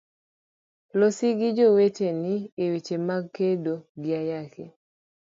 Losi gi joweteni eweche mag kedo gi ayaki.